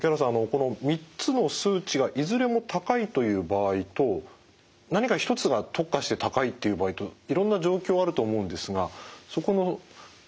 この３つの数値がいずれも高いという場合と何か一つが特化して高いという場合といろんな状況あると思うんですがそこの見極め